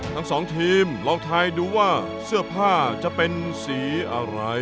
ทั้งสองทีมลองทายดูว่าเสื้อผ้าจะเป็นสีอะไร